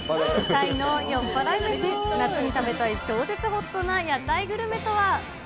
タイの酔っ払い飯、夏に食べたい超絶ホットな屋台グルメとは。